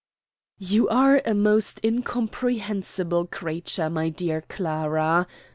"You are a most incomprehensible creature, my dear Clara.